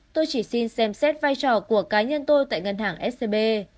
tôi chỉ xin xem xét vai trò của cá nhân tôi tại ngân hàng scb